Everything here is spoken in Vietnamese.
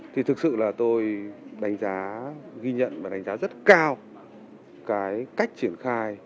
thì thực sự là tôi đánh giá ghi nhận và đánh giá rất cao cái cách triển khai